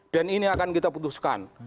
dan ini akan kita putuskan